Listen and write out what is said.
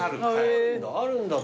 あるんだ。